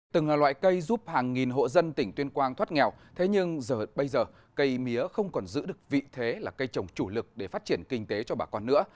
từng là loại cây giúp hàng nghìn hộ dân tỉnh tuyên quang thoát nghèo thế nhưng giờ bây giờ cây mía không còn giữ được vị thế là cây trồng chủ lực để phát triển kinh tế cho bà con nữa